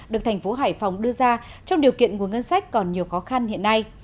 được thành phố hải phòng đưa ra trong điều kiện nguồn ngân sách còn nhiều khó khăn hiện nay